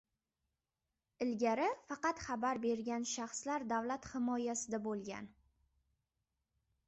Ilgari faqat xabar bergan shaxslar davlat himoyasida bo‘lgan